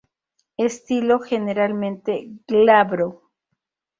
Estilo generalmente glabro.